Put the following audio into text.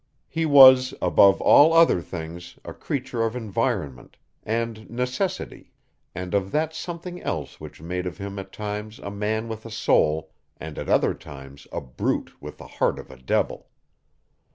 He was, above all other things, a creature of environment and necessity, and of that something else which made of him at times a man with a soul, and at others a brute with the heart of a devil.